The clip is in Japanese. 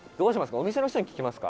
お店の人に聞きますか？」